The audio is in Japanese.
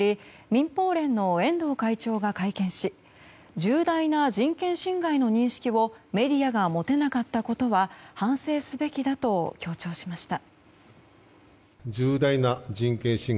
民放連の遠藤会長が会見し重大な人権侵害の認識をメディアが持てなかったことは反省すべきだと強調しました。